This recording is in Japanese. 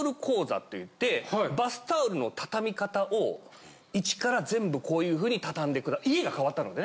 バスタオルのたたみ方を１から全部こういうふうにたたんで家が変わったのでね